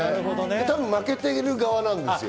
多分、負けてる側なんですよ。